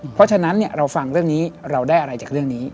เพราะฉะนั้นเราฟังเรื่องนี้เราได้อะไรจากเรื่องนี้